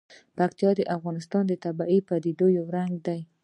پکتیکا د افغانستان د طبیعي پدیدو یو رنګ دی.